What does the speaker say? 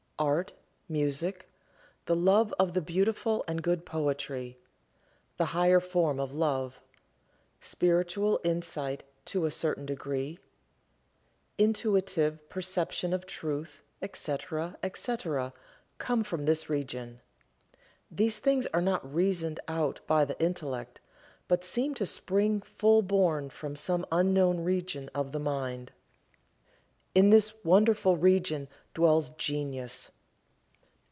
Art, music, the love of the beautiful and good poetry, the higher form of love, spiritual insight to a certain degree, intuitive perception of truth, etc., etc., come from this region. These things are not reasoned out by the intellect, but seem to spring full born from some unknown region of the mind. In this wonderful region dwells Genius.